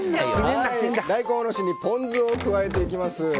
大根おろしにポン酢を加えていきます。